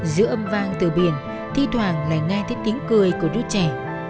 giữa âm vang từ biển thi thoảng lại nghe tiếng cười của đứa trẻ